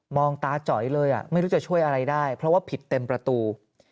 ตาจอยเลยไม่รู้จะช่วยอะไรได้เพราะว่าผิดเต็มประตู